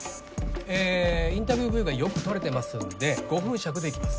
えぇインタビューＶはよく撮れてますんで５分尺でいきます。